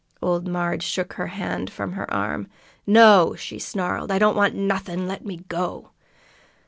Old Marg shook the hand from her arm. "No!" she snarled. "I don't want nothin'! Let me go!"